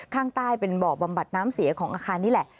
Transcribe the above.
ข้างใต้เป็นบ่อบำบัดน้ำเสียของอาคารนี่แหละ